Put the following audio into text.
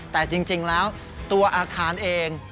แต่จริงแล้วตัวอาคารเอง